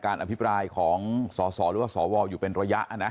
อภิปรายของสสหรือว่าสวอยู่เป็นระยะนะ